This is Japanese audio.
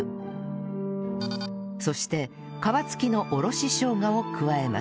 そして皮つきのおろししょうがを加えます